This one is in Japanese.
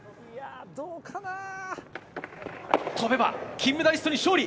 跳べば金メダリストに勝利。